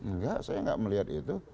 enggak saya enggak melihat itu